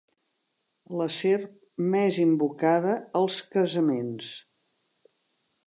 La serp més invocada als casaments.